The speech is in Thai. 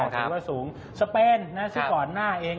ถือว่าสูงสเปนซิกอร์นหน้าเอง